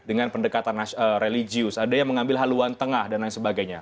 dengan pendekatan religius ada yang mengambil haluan tengah dan lain sebagainya